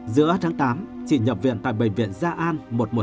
giữa tháng tám chị nhập viện tại bệnh viện gia an một trăm một mươi một